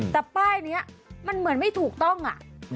แต่ป้ายนี้มันเหมือนไม่ถูกต้อง